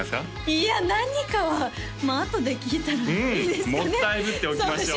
いや何かはまああとで聞いたらいいですかねもったいぶっておきましょう